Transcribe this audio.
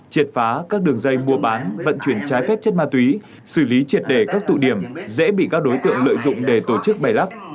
triệt phá các đường dây mua bán vận chuyển trái phép chất ma túy xử lý triệt đề các tụ điểm dễ bị các đối tượng lợi dụng để tổ chức bày lắc